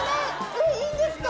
えっいいんですか？